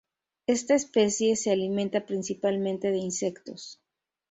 Esta especie se alimenta principalmente de insectos.